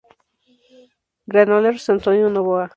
Granollers, Antonio Novoa.